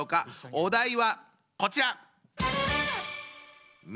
お題はこちら！